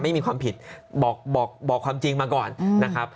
ไม่มีความผิดบอกความจริงมาก่อนนะครับ